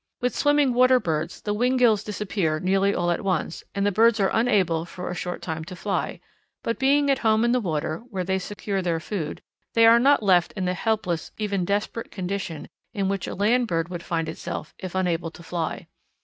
With swimming water birds the wing quills disappear nearly all at once and the birds are unable for a short time to fly; but being at home in the water, where they secure their food, they are not left in the helpless, even desperate, condition in which a land bird would find itself if unable to fly.